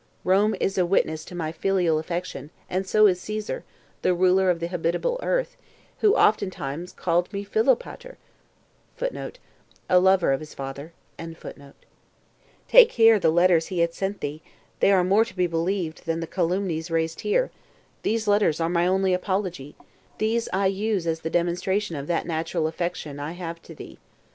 Rome is a witness to my filial affection, and so is Caesar, the ruler of the habitable earth, who oftentimes called me Philopater. 47 Take here the letters he hath sent thee, they are more to be believed than the calumnies raised here; these letters are my only apology; these I use as the demonstration of that natural affection I have to thee.